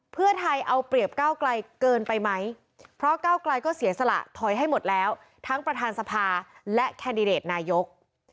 เพื่อไทยเอาเปรียบก้าวไกลเกินไปไหมเพราะก้าวไกลก็เสียสละถอยให้หมดแล้วทั้งประธานสภาและแคนดิเดตนายก